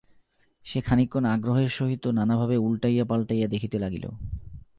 সে খানিকক্ষণ আগ্রহের সহিত নানাভাবে উলটাইয়া পালটাইয়া দেখিতে লাগিল।